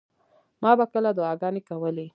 ما به کله دعاګانې کولې.